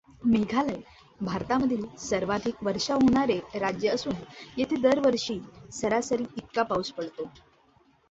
मेघालय भारतामधील सर्वाधिक वर्षाव होणारे राज्य असून येथे दरवर्षी सरासरी इतका पाऊस पडतो.